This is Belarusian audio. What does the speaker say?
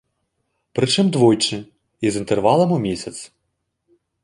Прычым, двойчы і з інтэрвалам у месяц.